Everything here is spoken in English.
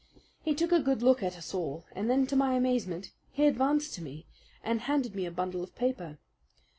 He took a good look at us all, and then to my amazement he advanced to me and handed me a bundle of paper.